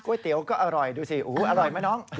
เตี๋ยวก็อร่อยดูสิอร่อยไหมน้อง